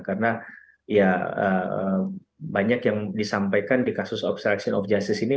karena banyak yang disampaikan di kasus obstruction of justice ini